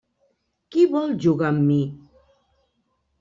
Qui vol jugar amb mi?